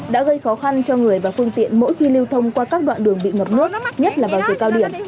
đã gây khó khăn cho người và phương tiện mỗi khi lưu thông qua các đoạn đường bị ngập nước nhất là vào giữa cao điểm